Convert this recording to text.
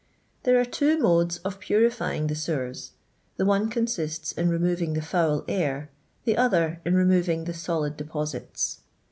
Thibi are two modes of purifying the eewers ; the one coniiiti in remoTing the foul air, the other in remoTing the lolid depoaiti.